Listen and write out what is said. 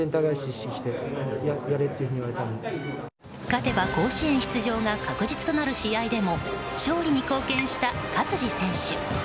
勝てば甲子園出場が確実となる試合でも勝利に貢献した勝児選手。